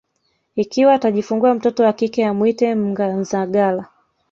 ikiwa atajifungua mtoto wa kike amwite Mnganzagala